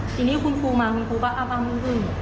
ทีนี้คุณครูมาคุณครูบอกว่าอ้าวมีอะไรขึ้น